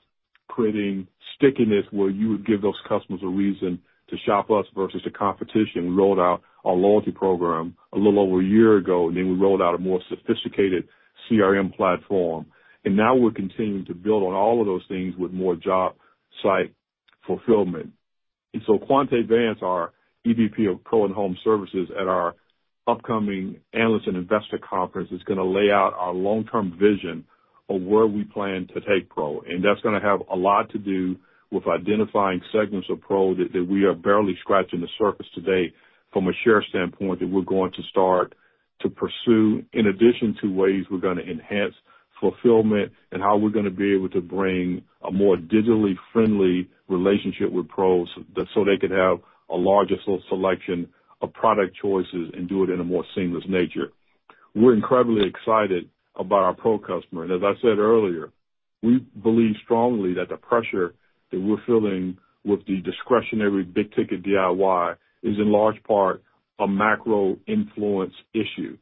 creating stickiness, where you would give those customers a reason to shop us versus the competition. We rolled out our loyalty program a little over a year ago, and then we rolled out a more sophisticated CRM platform. And now we're continuing to build on all of those things with more job site fulfillment. And so Quante Vance, our EVP of Pro and Home Services, at our upcoming Analyst and Investor Conference, is gonna lay out our long-term vision of where we plan to take Pro. That's gonna have a lot to do with identifying segments of Pro that we are barely scratching the surface today from a share standpoint, that we're going to start to pursue, in addition to ways we're gonna enhance fulfillment and how we're gonna be able to bring a more digitally friendly relationship with pros, so that they can have a larger sort of selection of product choices and do it in a more seamless nature. We're incredibly excited about our Pro customer, and as I said earlier, we believe strongly that the pressure that we're feeling with the discretionary big ticket DIY is, in large part, a macro influence issue.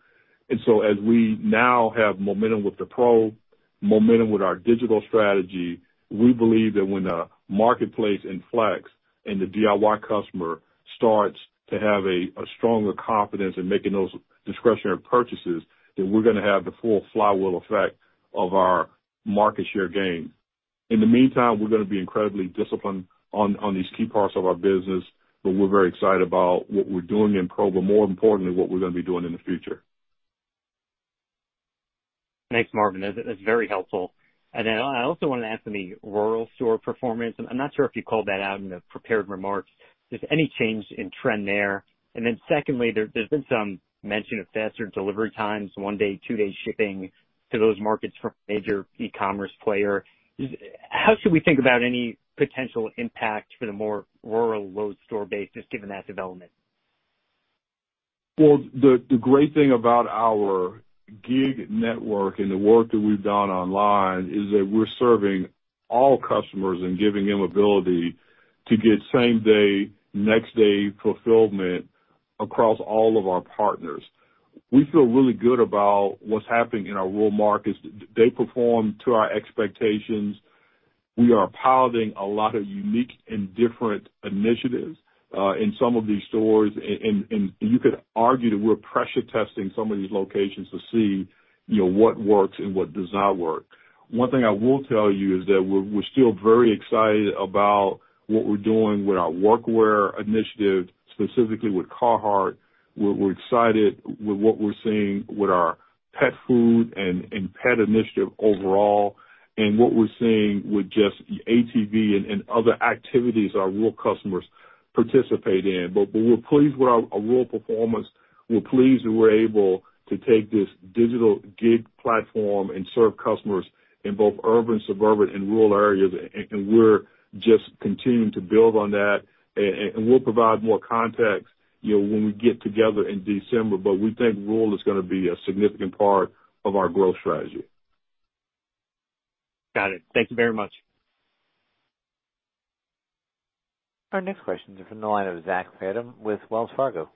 And so as we now have momentum with the Pro, momentum with our digital strategy, we believe that when the marketplace inflects and the DIY customer starts to have a stronger confidence in making those discretionary purchases, that we're gonna have the full flywheel effect of our market share gain. In the meantime, we're gonna be incredibly disciplined on these key parts of our business, but we're very excited about what we're doing in Pro, but more importantly, what we're gonna be doing in the future. Thanks, Marvin. That's very helpful. And then I also wanted to ask on the rural store performance. I'm not sure if you called that out in the prepared remarks. Is any change in trend there? And then secondly, there's been some mention of faster delivery times, one-day, two-day shipping to those markets from a major e-commerce player. Is. How should we think about any potential impact for the more rural Lowe's store base, just given that development? The great thing about our gig network and the work that we've done online is that we're serving all customers and giving them ability to get same-day, next-day fulfillment across all of our partners. We feel really good about what's happening in our rural markets. They perform to our expectations. We are piloting a lot of unique and different initiatives in some of these stores. And you could argue that we're pressure testing some of these locations to see, you know, what works and what does not work. One thing I will tell you is that we're still very excited about what we're doing with our workwear initiative, specifically with Carhartt. We're excited with what we're seeing with our pet food and pet initiative overall, and what we're seeing with just ATV and other activities our rural customers participate in. But we're pleased with our rural performance. We're pleased that we're able to take this digital gig platform and serve customers in both urban, suburban and rural areas, and we're just continuing to build on that. And we'll provide more context, you know, when we get together in December, but we think rural is gonna be a significant part of our growth strategy. Got it. Thank you very much. Our next question is from the line of Zach Fadem with Wells Fargo.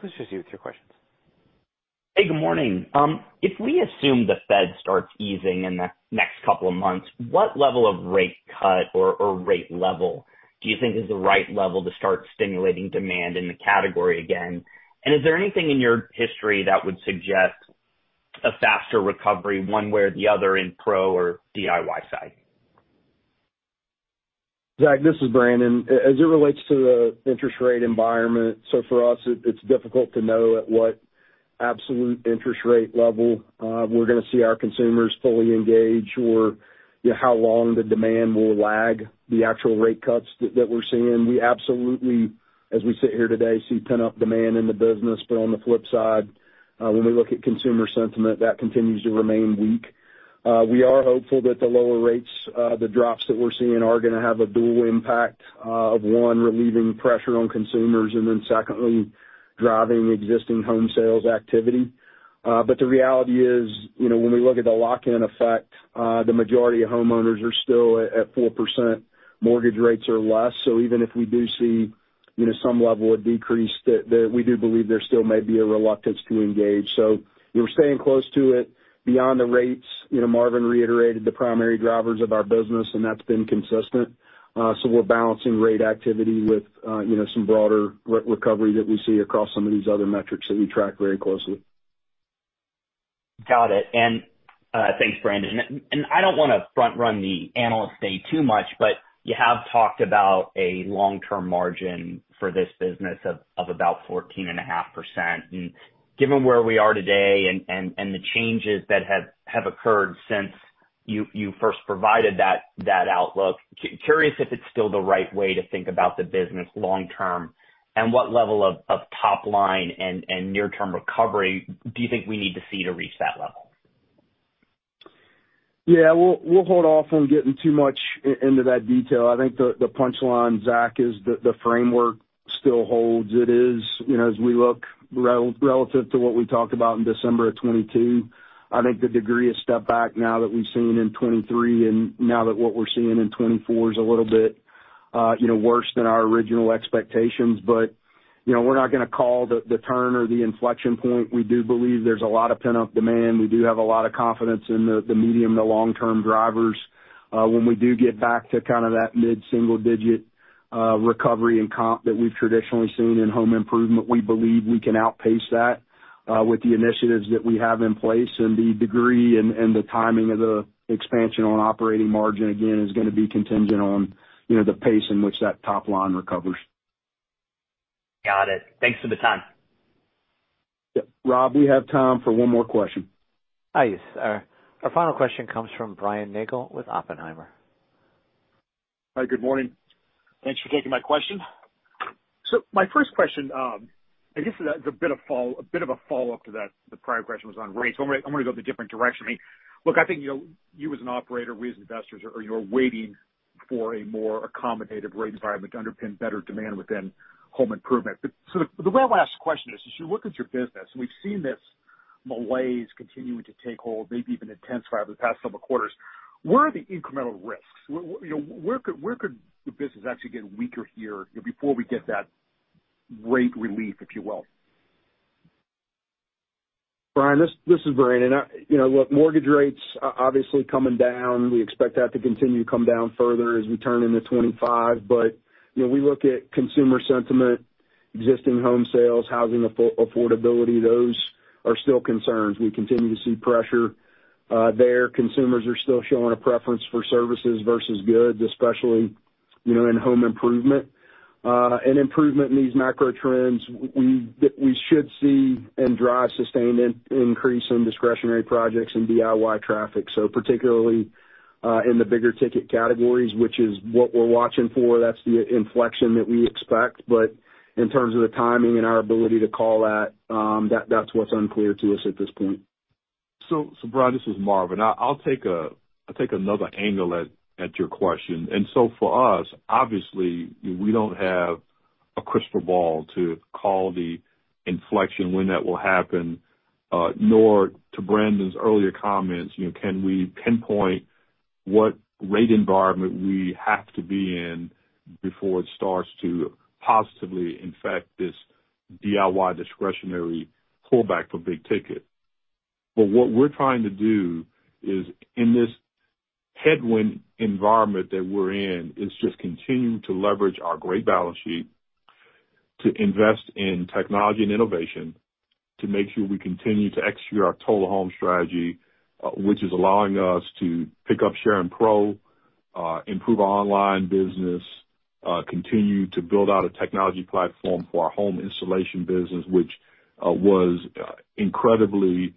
Please proceed with your questions. Hey, good morning. If we assume the Fed starts easing in the next couple of months, what level of rate cut or rate level do you think is the right level to start stimulating demand in the category again, and is there anything in your history that would suggest a faster recovery, one way or the other, in Pro or DIY side? Zach, this is Brandon. As it relates to the interest rate environment, so for us, it's difficult to know at what absolute interest rate level we're gonna see our consumers fully engage or, you know, how long the demand will lag the actual rate cuts that we're seeing. We absolutely, as we sit here today, see pent-up demand in the business. But on the flip side, when we look at consumer sentiment, that continues to remain weak. We are hopeful that the lower rates, the drops that we're seeing are gonna have a dual impact of, one, relieving pressure on consumers, and then secondly, driving existing home sales activity. But the reality is, you know, when we look at the lock-in effect, the majority of homeowners are still at 4% mortgage rates or less. So even if we do see, you know, some level of decrease, we do believe there still may be a reluctance to engage. So we're staying close to it. Beyond the rates, you know, Marvin reiterated the primary drivers of our business, and that's been consistent. So we're balancing rate activity with, you know, some broader recovery that we see across some of these other metrics that we track very closely. Got it. And, thanks, Brandon. And, I don't wanna front run the analyst day too much, but you have talked about a long-term margin for this business of about 14.5%. And given where we are today and the changes that have occurred since you first provided that outlook, curious if it's still the right way to think about the business long term, and what level of top line and near-term recovery do you think we need to see to reach that level?... Yeah, we'll hold off on getting too much into that detail. I think the punchline, Zach, is the framework still holds. It is, you know, as we look relative to what we talked about in December of 2022, I think the degree of step back now that we've seen in 2023 and now that what we're seeing in 2024 is a little bit, you know, worse than our original expectations. But, you know, we're not gonna call the turn or the inflection point. We do believe there's a lot of pent-up demand. We do have a lot of confidence in the medium to long-term drivers. When we do get back to kind of that mid-single digit recovery and comp that we've traditionally seen in home improvement, we believe we can outpace that with the initiatives that we have in place. And the degree and the timing of the expansion on operating margin, again, is gonna be contingent on, you know, the pace in which that top line recovers. Got it. Thanks for the time. Yep. Rob, we have time for one more question. Hi, yes. Our final question comes from Brian Nagel with Oppenheimer. Hi, good morning. Thanks for taking my question. So my first question, I guess that is a bit of a follow-up to that, the prior question was on rates. So I'm gonna go the different direction. I mean, look, I think, you know, you as an operator, we as investors, you are waiting for a more accommodative rate environment to underpin better demand within home improvement. But the well asked question is, as you look at your business, and we've seen this malaise continuing to take hold, maybe even intensify over the past several quarters, where are the incremental risks? You know, where could the business actually get weaker here, you know, before we get that rate relief, if you will? Brian, this is Brandon. You know, look, mortgage rates obviously coming down. We expect that to continue to come down further as we turn into 2025. But, you know, we look at consumer sentiment, existing home sales, housing affordability, those are still concerns. We continue to see pressure there. Consumers are still showing a preference for services versus goods, especially, you know, in home improvement. An improvement in these macro trends, we should see and drive sustained increase in discretionary projects and DIY traffic. So particularly, in the bigger ticket categories, which is what we're watching for, that's the inflection that we expect. But in terms of the timing and our ability to call that, that's what's unclear to us at this point. Brian, this is Marvin. I'll take another angle at your question. For us, obviously, we don't have a crystal ball to call the inflection when that will happen, nor, to Brandon's earlier comments, you know, can we pinpoint what rate environment we have to be in before it starts to positively affect this DIY discretionary pullback for big ticket? But what we're trying to do is, in this headwind environment that we're in, is just continue to leverage our great balance sheet to invest in technology and innovation, to make sure we continue to execute our Total Home strategy, which is allowing us to pick up share in Pro, improve our online business, continue to build out a technology platform for our home installation business, which was incredibly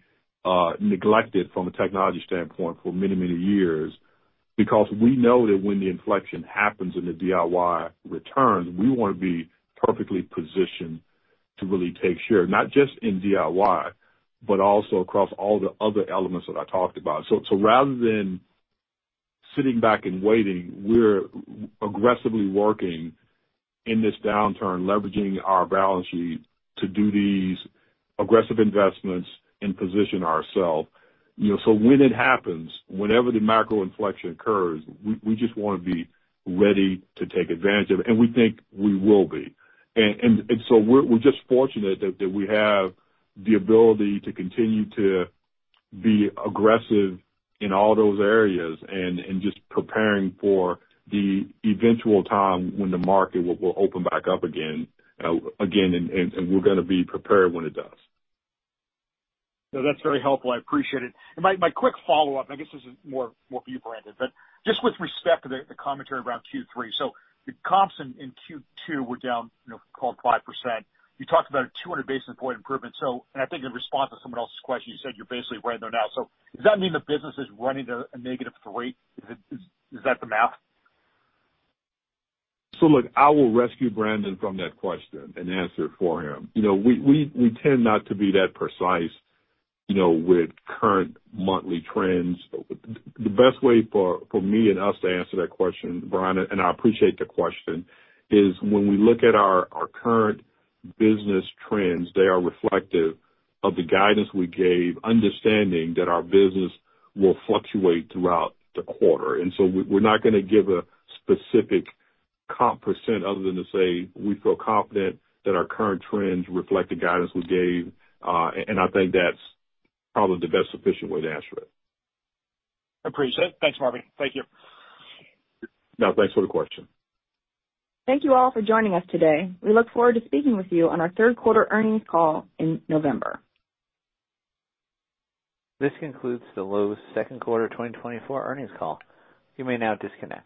neglected from a technology standpoint for many, many years. Because we know that when the inflection happens and the DIY returns, we wanna be perfectly positioned to really take share, not just in DIY, but also across all the other elements that I talked about. So, so rather than sitting back and waiting, we're aggressively working in this downturn, leveraging our balance sheet to do these aggressive investments and position ourselves. You know, so when it happens, whenever the macro inflection occurs, we just wanna be ready to take advantage of it, and we think we will be. And so we're just fortunate that we have the ability to continue to be aggressive in all those areas and just preparing for the eventual time when the market will open back up again, again, and we're gonna be prepared when it does. No, that's very helpful. I appreciate it. And my quick follow-up, and I guess this is more for you, Brandon, but just with respect to the commentary around Q3. So the comps in Q2 were down, you know, call it 5%. You talked about a 200 basis point improvement. So... And I think in response to someone else's question, you said you're basically right there now. So does that mean the business is running a negative rate? Is it that the math? So look, I will rescue Brandon from that question and answer it for him. You know, we tend not to be that precise, you know, with current monthly trends. The best way for me and us to answer that question, Brian, and I appreciate the question, is when we look at our current business trends, they are reflective of the guidance we gave, understanding that our business will fluctuate throughout the quarter. So we're not gonna give a specific comp % other than to say we feel confident that our current trends reflect the guidance we gave. And I think that's probably the best sufficient way to answer it. Appreciate it. Thanks, Marvin. Thank you. No, thanks for the question. Thank you all for joining us today. We look forward to speaking with you on our third quarter earnings call in November. This concludes the Lowe's second quarter twenty twenty-four earnings call. You may now disconnect.